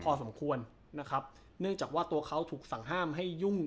พอสมควรนะครับเนื่องจากว่าตัวเขาถูกสั่งห้ามให้ยุ่ง